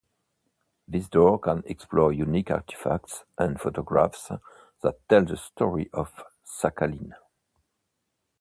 Visitors can explore unique artifacts and photographs that tell the story of Sakhalin.